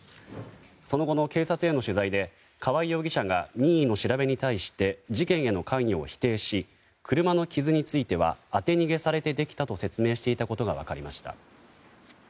その後の警察への取材で川合容疑者が任意の調べに対して事件への関与を否定し車の傷については当て逃げされてできたと説明していたことが分かりました。